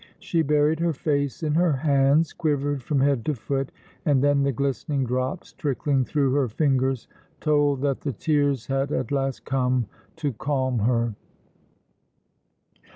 She buried her face in her hands, quivered from head to foot, and then the glistening drops trickling through her fingers told that the tears had at last come to calm her.